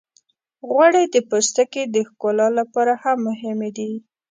غوړې د پوستکي د ښکلا لپاره هم مهمې دي.